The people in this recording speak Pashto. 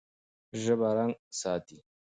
ژبه رنګ ساتي.